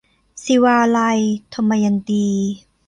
ศิวาลัย - ทมยันตี